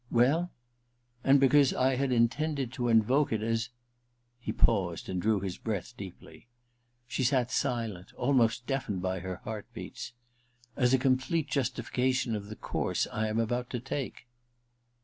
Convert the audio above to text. *Well ?'* And because I had intended to invoke it as ' He paused and drew his breath deeply. She sat silent, almost deafened by her heart beats. * as a complete justification of the course I am about to take.'